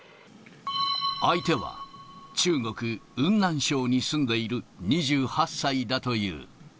相手は、中国・雲南省に住んでいる２８歳だという。